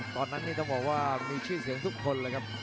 ตอนนั้นนี่ต้องบอกว่ามีชื่อเสียงทุกคนเลยครับ